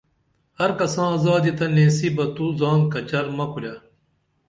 ہر کساں زادی تہ نیسی بہ تو زان کچر مہ کُرے